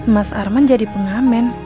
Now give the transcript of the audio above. mas arman jadi pengamen